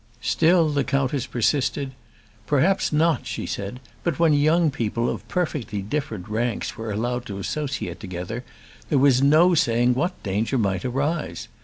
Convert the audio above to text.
Still the countess persisted: "Perhaps not," she said; "but when young people of perfectly different ranks were allowed to associate together, there was no saying what danger might arise.